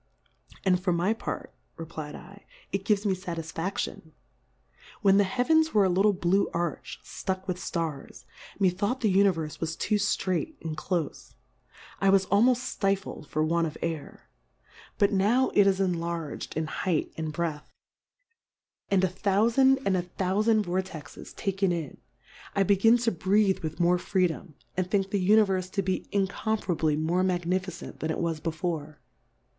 And for my Part, re^lfd J, it gives me Satisfadion ; when the Heavens were a little blue Arch, ftuck with Stars, methought the Uni verfe was too iirait and clofe, I was almoft {lifted for want of Air ; but now it is enlargM in Hcighth and Breadth, and a Thoufand and a Thoufand Vor texes 156 Difcourfes on the texes taken In ; I begin to breath with more Freedom, and think the Univerfe to be incomparably more magnificent than it was before.